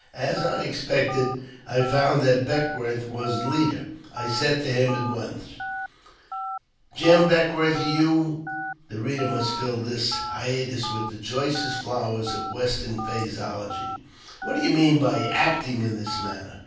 As I expected, I found that Beckwourth was leader. I said to him at once — '"Jim Beckwourth, you ' [the reader may fill this hiatus with the choicest flowers of Western phraseology] ,* what do you mean by acting in this manner